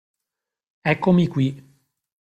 Eccomi qui!